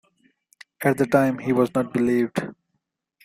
At the time, he was not believed.